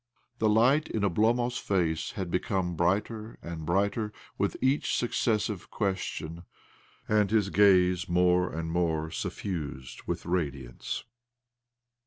The light in Oblomov's face had become brighter and brighter with each successive question, d,nd his gaze more and more suf fused with radiance.